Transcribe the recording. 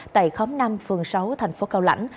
tại khóm năm phường sáu thành phố cao lãnh